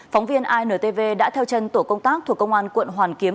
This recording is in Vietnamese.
phóng viên intv đã theo chân tổ công tác thuộc công an quận hoàn kiếm